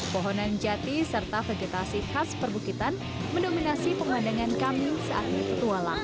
pohonan jati serta vegetasi khas perbukitan mendominasi pemandangan kami saat ini petualang